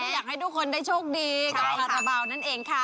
อยากให้ทุกคนได้โชคดีกับคาราบาลนั่นเองค่ะ